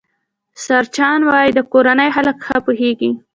سرچران وايي کورني خلک ښه پوهېږي.